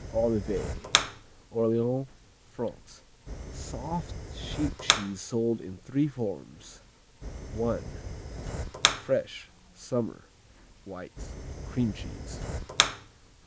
Olivet Orléans, France Soft sheep cheese sold in three forms: I. Fresh; summer, white; cream cheese.